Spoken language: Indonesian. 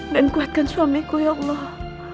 dan kuatkan suamiku ya allah